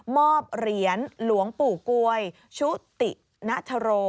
มอบเหรียญหลวงปู่ก๊วยชุตินัทโทร